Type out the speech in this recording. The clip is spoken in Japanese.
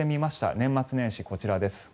年末年始、こちらです。